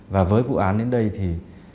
và với vụ án đến đây thì